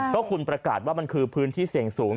ก็คุณประกาศว่ามันคือพื้นที่เสี่ยงสูง